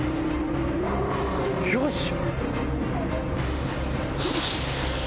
よし！